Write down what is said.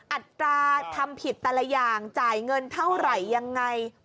อัตราทำผิดแต่ละอย่างจ่ายเงินเท่าไหร่ยังไง